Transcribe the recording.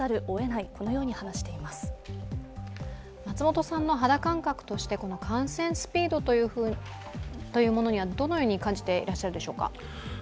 松本さんの肌感覚として感染スピードはどのように感じてらっしゃるでしょうか？